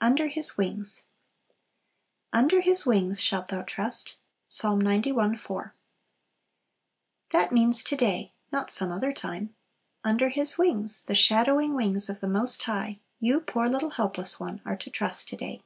Under His Wings. "Under His wings shall thou trust." Ps. xci. 4. That means to day, not some other time! Under His wings, the shadowing wings of the Most High, you, poor little helpless one, are to trust to day.